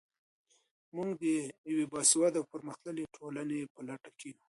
موږ د یوې باسواده او پرمختللې ټولنې په لټه کې یو.